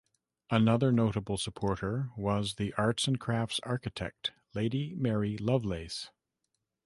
Another notable supporter was the Arts and crafts architect Lady Mary Lovelace.